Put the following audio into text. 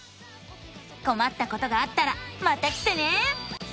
こまったことがあったらまた来てね！